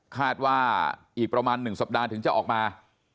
คาดว่าอีกประมาณ๑สัปดาห์ถึงจะออกมา